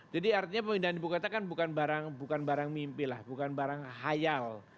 jadi artinya pemindahan ibu kota kan bukan barang mimpi lah bukan barang hayal